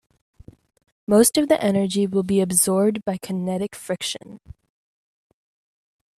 Most of the energy will be absorbed by kinetic friction.